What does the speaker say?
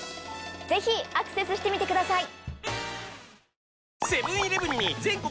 ぜひアクセスしてみてください！